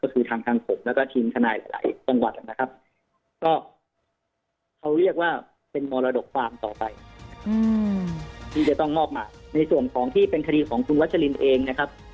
ก็จะเป็นมรดกความต่อไปที่จะต้องมอบหมายในส่วนของที่เป็นคดีของคุณวัชลินเองนะครับ